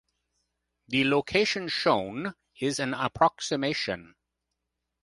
The location shown is an approximation.